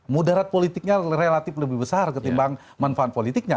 mudarat politiknya relatif lebih besar ketimbang manfaat politiknya